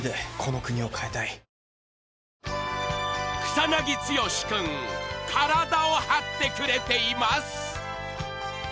［草剛君体を張ってくれています］